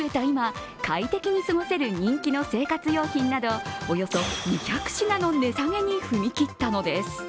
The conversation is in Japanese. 今快適に過ごせる人気の生活用品などおよそ２００品の値下げに踏み切ったのです。